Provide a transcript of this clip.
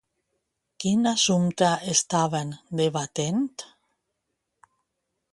Quin assumpte estaven debatent?